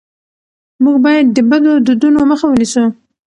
موږ باید د بدو دودونو مخه ونیسو.